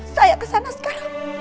saya kesana sekarang